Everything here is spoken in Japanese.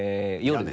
夜。